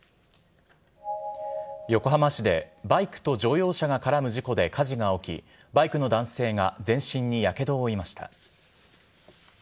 横浜市でバイクと乗用車が絡む事故で火事が起き、バイクの男性が全身にやけどを負いました。